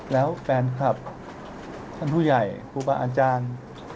แล้วแฟนคลับท่านผู้ใหญ่ครูบาอาจารย์